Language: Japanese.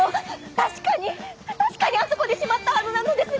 確かにあそこにしまったはずなのですが！